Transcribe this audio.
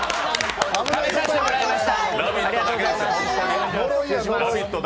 試させてもらいました。